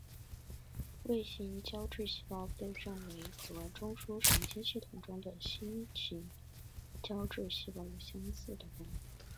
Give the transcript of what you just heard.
卫星胶质细胞被认为和中枢神经系统中的星型胶质细胞有相似的功能。